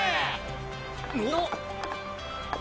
おっ。